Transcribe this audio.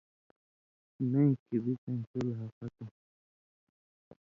نَیں کھیں بڅَیں صُلح ختُم؛